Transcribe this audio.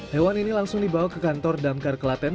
hewan ini langsung dibawa ke kantor damkar kelaten